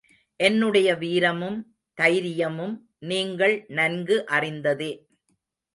என்னுடைய வீரமும், தைரியமும் நீங்கள் நன்கு அறிந்ததே.